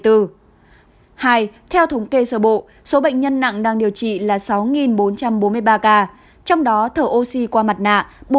hai theo thống kê sở bộ số bệnh nhân nặng đang điều trị là sáu bốn trăm bốn mươi ba ca trong đó thổ oxy qua mặt nạ bốn một trăm bốn mươi năm